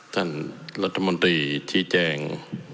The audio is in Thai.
ท่านรัฐมนตรีชี้แจง